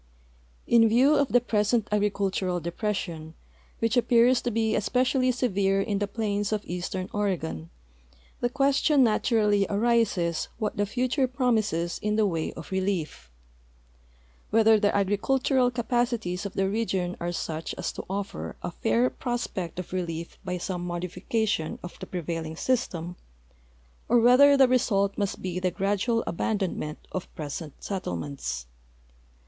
In view of the present agricultural de})ression, which a])j)ears to be especially severe in the })lains of eastern Oregon, the (ques tion naturally arises what the future promises in the wa}'^ of re lief; whether the agricultural capacities of the region are such as to offer a fair ])ros])ect of relief b}'^ some modification of the prevailing system or whether the result must be the gradual abandonment of present settlements.